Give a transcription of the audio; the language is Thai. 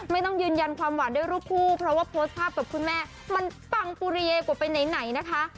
ไม่ต้องยืนยันความหวานด้วยรูปคู่เพราะว่าโพสต์ภาพกับคุณแม่มันปังปุริเยกว่าไปไหนนะคะ